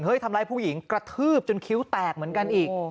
ทำร้ายผู้หญิงกระทืบจนคิ้วแตกเหมือนกันอีก